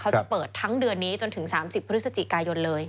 เขาจะเปิดทั้งเดือนนี้จนถึง๓๐พฤศจิกายนเลย